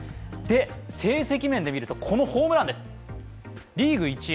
成績面でいうとこのホームランです。